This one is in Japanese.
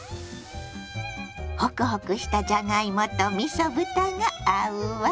ホクホクしたじゃがいもとみそ豚が合うわ。